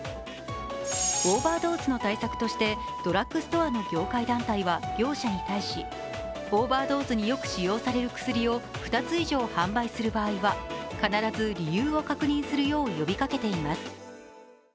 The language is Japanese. オーバードーズの対策としてドラッグストアの業界団体は業者に対し、オーバードーズによく使用される薬を２つ以上販売する場合は、必ず理由を確認するよう呼びかけています。